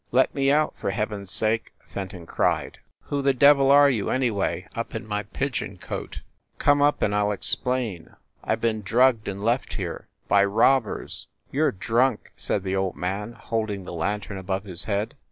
"Let me out, for heaven s sake !" Fenton cried. "Who the devil are you, anyway, up in my pig eon cote?" "Come up and I ll explain. I ve been drugged and left here. By robbers !" "You re drunk!" said the old man, holding the lantern above his head.